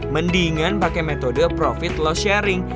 mendingan pakai metode profit low sharing